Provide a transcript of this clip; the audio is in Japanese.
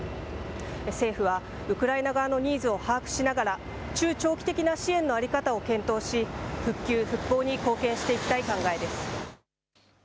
政府はウクライナ側のニーズを把握しながら、中長期的な支援を在り方を検討し、復旧・復興に貢献していきたい考えです。